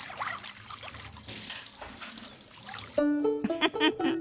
フフフフ。